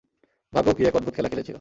ভাগ্যও কী এক অদ্ভুত খেলা খেলেছিল।